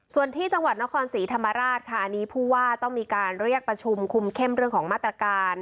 ส่วนที่จังหวัดนครศรีธรรมราชค่ะอันนี้ผู้ว่าต้องมีการเรียกประชุมคุมเข้มเรื่องของมาตรการ